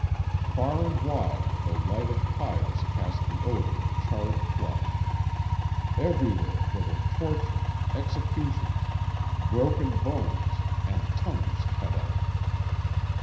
"Far and wide the lighted pyres cast the odour of charred flesh. Everywhere there were tortures, executions, broken bones, and tongues cut out.